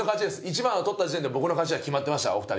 １番を取った時点で僕の勝ちは決まってましたお二人。